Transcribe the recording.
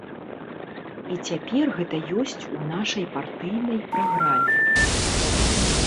І цяпер гэта ёсць у нашай партыйнай праграме.